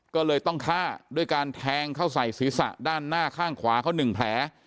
ก็เลยต้องฆ่าด้วยการแทงเข้าใส่ศีรษะด้านหน้าข้างขวาเขา๑แผล